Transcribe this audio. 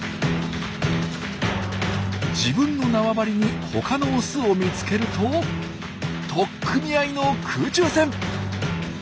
自分の縄張りに他のオスを見つけると取っ組み合いの空中戦！